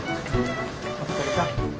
お疲れさん。